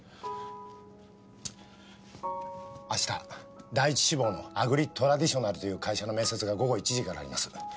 明日第一志望のアグリトラディショナルという会社の面接が午後１時からあります。